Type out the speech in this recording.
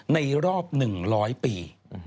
ในรอบ๑๐๐ปี